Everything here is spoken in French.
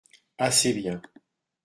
Assez bien.